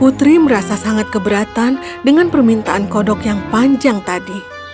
putri merasa sangat keberatan dengan permintaan kodok yang panjang tadi